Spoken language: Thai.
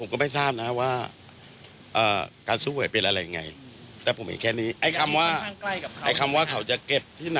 เขาคุยกับใครครับพี่